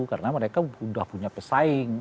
karena mereka udah punya pesaing